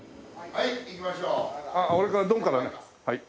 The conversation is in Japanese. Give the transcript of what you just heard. はい。